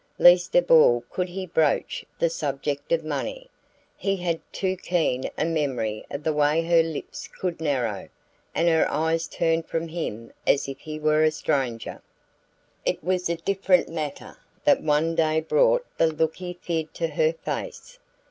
Least of all could he broach the subject of money: he had too keen a memory of the way her lips could narrow, and her eyes turn from him as if he were a stranger. It was a different matter that one day brought the look he feared to her face.